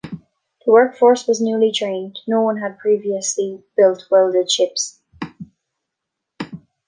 The work force was newly trained - no one had previously built welded ships.